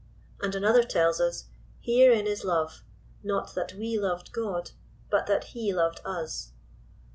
And another tells us, •• herein is love, not that we loved God but that he loved us."